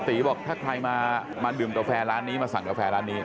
ตีบอกถ้าใครมาดื่มกาแฟร้านนี้มาสั่งกาแฟร้านนี้